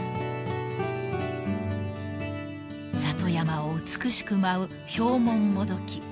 ［里山を美しく舞うヒョウモンモドキ］